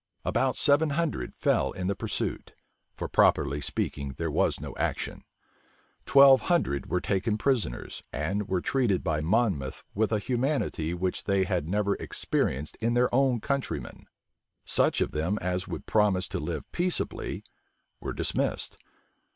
About seven hundred fell in the pursuit; for, properly speaking, there was no action. Twelve hundred were taken prisoners; and were treated by Monmouth with a humanity which they had never experienced in their own countrymen. Such of them as would promise to live peaceably were dismissed.